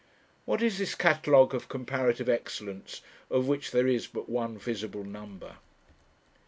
What is this catalogue of comparative excellence, of which there is but one visible number?